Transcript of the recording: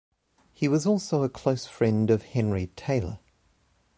He was also a close friend of Henry Taylor.